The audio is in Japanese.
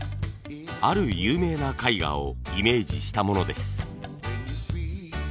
ある有名な絵画をイメージしたものです。